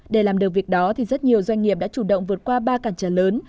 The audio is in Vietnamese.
để làm được việc đó thì rất nhiều doanh nghiệp đã chủ động vượt qua ba cản trở lớn